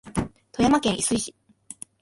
富山県射水市